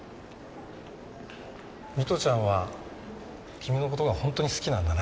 美都ちゃんは君の事が本当に好きなんだね。